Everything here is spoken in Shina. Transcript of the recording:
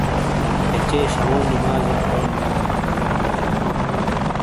یہ چے شامو نمازیو کھین بیلوں مسجدیٹے بوجون ۔